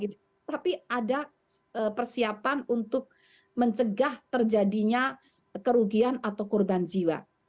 tapi ada persiapan untuk mencegah terjadinya kerugian atau kegagalan